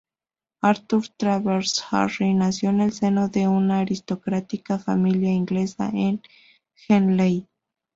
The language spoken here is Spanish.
Arthur Travers Harris nació en el seno de una aristocrática familia inglesa en Henley.